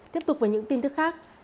tiếp tục với những tin tức khác